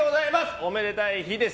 おめでたい日です。